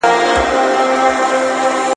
پوه سئ.